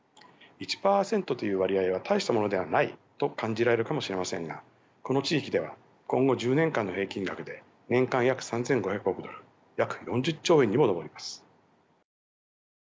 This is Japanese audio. １％という割合は大したものではないと感じられるかもしれませんがこの地域では今後１０年間の平均額で年間約３，５００億ドル約４０兆円にも上ります。